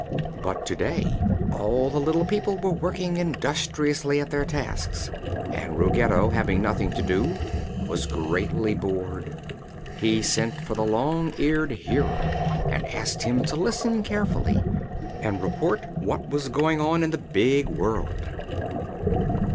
But to day all the little people were working industriously at their tasks and Ruggedo, having nothing to do, was greatly bored. He sent for the Long Eared Hearer and asked him to listen carefully and report what was going on in the big world.